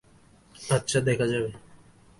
আচ্ছা দেখা যাবে।